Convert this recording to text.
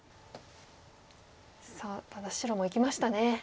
さあただ白もいきましたね。